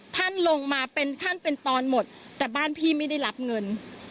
ท่านลงมาเป็นขั้นเป็นตอนหมดแต่บ้านพี่ไม่ได้รับเงิน